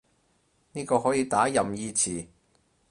呢個可以打任意詞